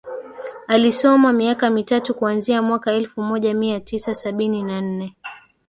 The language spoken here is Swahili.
Alisoma miaka mitatu kuanzia mwaka elfu moja mia tisa sabini na nne